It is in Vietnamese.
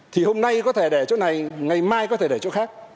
thì hôm nay có thể để chỗ này ngày mai có thể để chỗ khác